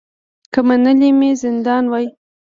که منلی مي زندان وای